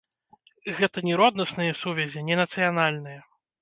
Гэта не роднасныя сувязі, не нацыянальныя.